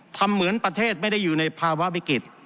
เหมือนประเทศไม่ได้อยู่ในภาวะวิกฤต